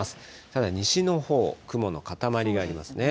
ただ西のほう、雲の固まりがありますね。